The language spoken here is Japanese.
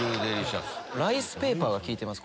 ライスペーパーが利いてます。